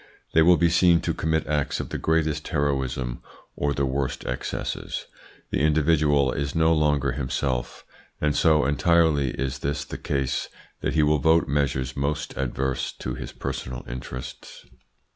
They will be seen to commit acts of the greatest heroism or the worst excesses. The individual is no longer himself, and so entirely is this the case that he will vote measures most adverse to his personal interests.